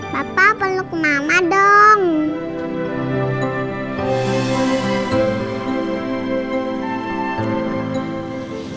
papa aku mau ke rumah